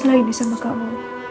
lain disama kamu